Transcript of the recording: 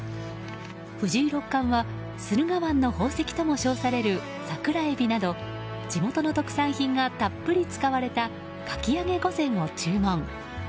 藤井六冠は駿河湾の宝石とも称されるサクラエビなど地元の特産品がたっぷり使われたかき揚げ御膳を注文。